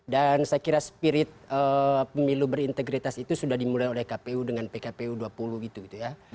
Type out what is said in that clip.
dan saya kira spirit pemilu berintegritas itu sudah dimulai oleh kpu dengan pkpu dua puluh gitu ya